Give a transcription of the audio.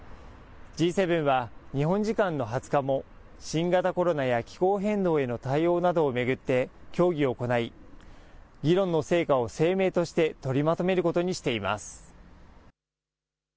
Ｇ７は日本時間の２０日も新型コロナや気候変動への対応などを巡って協議を行い議論の成果を声明として取りまとめることにしています。